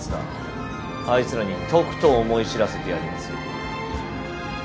あいつらにとくと思い知らせてやりますよ。